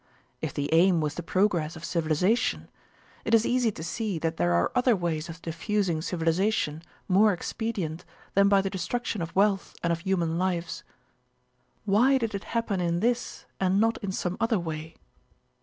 If the aim was the progress of civilization, it is easy to see that there are other ways of diffusing civilization more expedient than by the destruction of wealth and of human lives. Why did it happen in this and not in some other way?